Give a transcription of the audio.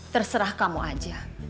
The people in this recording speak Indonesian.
terserah kamu aja